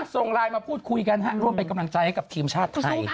ส่งไลน์มาพูดคุยกันร่วมเป็นกำลังใจให้กับทีมชาติไทย